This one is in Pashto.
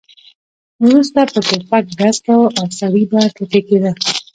وروسته به توپ ډز کاوه او سړی به ټوټې کېده.